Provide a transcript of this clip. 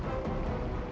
tuhan aku ingin menang